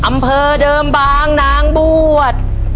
อำเภอเดิมบางนางบวช